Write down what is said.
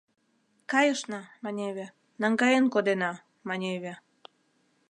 «Кайышна, — маневе, — наҥгаен кодена, — маневе».